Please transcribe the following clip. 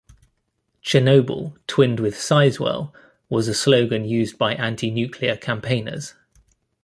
"Chernobyl twinned with Sizewell" was a slogan used by anti-nuclear campaigners.